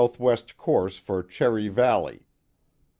W. course for Cherry Valley."